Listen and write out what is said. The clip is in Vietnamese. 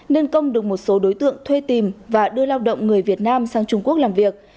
nên công được một số đối tượng thuê tìm và đưa lao động người việt nam sang trung quốc làm việc